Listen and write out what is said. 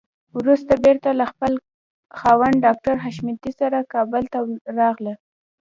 وروسته بېرته له خپل خاوند ډاکټر حشمتي سره کابل ته راغله.